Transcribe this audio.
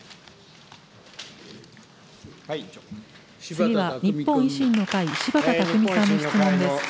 次は日本維新の会、柴田巧さんの質問です。